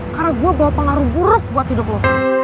karena gue bawa pengaruh buruk buat hidup lo